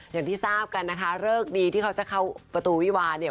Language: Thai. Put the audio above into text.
อย่างที่ทราบกันนะคะเลิกดีที่เขาจะเข้าประตูวิวาเนี่ย